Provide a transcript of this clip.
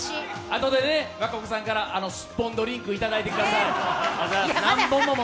あとで和歌子さんからスッポンドリンクいただいてください。